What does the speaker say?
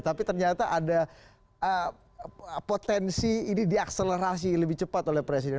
tapi ternyata ada potensi ini diakselerasi lebih cepat oleh presiden